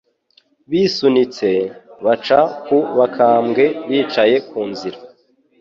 Bisunitse, baca ku bakambwe bicaye ku nzira.